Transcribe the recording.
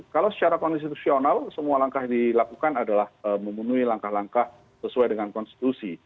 kalau secara konstitusional semua langkah yang dilakukan adalah memenuhi langkah langkah sesuai dengan konstitusi